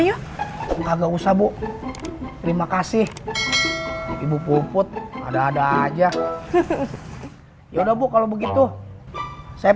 ya enggak usah bu terima kasih ibu puput ada ada aja yaudah bu kalau begitu saya